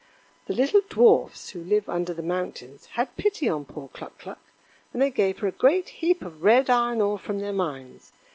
The little dwarfs who live under the mountains had pity on poor Cluck cluck, and they gave her a great heap of red iron ore from their mines.